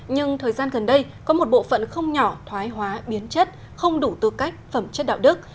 nhưng thời gian gần đây có một bộ phận không nhỏ thoái hóa biến chất không đủ tư cách phẩm chất đạo đức